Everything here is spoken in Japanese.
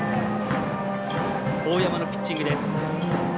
當山のピッチングです。